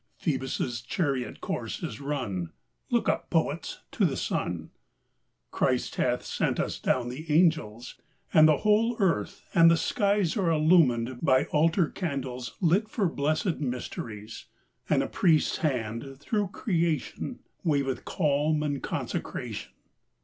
Phoebus' chariot course is run ! Look up, poets, to the sun ! Christ hath sent us down the angels; And the whole earth and the skies Are illumed by altar candles TRUTH. 35 Lit for blessed mysteries ; And a Priest's Hand, through creation, Waveth calm and consecration.